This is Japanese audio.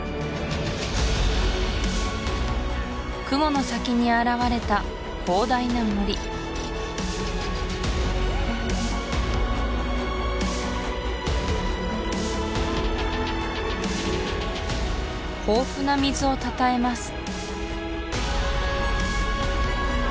雲の先に現れた広大な森豊富な水をたたえます